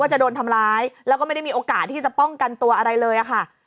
จะโดนทำร้ายแล้วก็ไม่ได้มีโอกาสที่จะป้องกันตัวอะไรเลยค่ะ